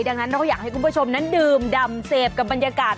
ดังนั้นเราก็อยากให้คุณผู้ชมนั้นดื่มดำเสพกับบรรยากาศ